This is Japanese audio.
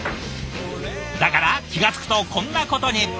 だから気が付くとこんなことに。